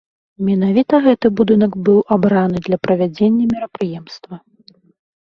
Менавіта гэты будынак быў абраны для правядзення мерапрыемства.